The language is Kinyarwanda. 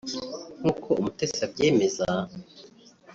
nk’uko Umutesi abyemeza